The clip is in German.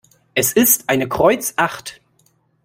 Es ist eine Kreuz acht.